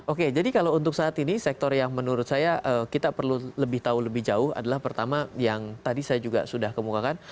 oke jadi kalau untuk saat ini sektor yang menurut saya kita perlu lebih tahu lebih jauh adalah pertama yang tadi saya juga sudah kemukakan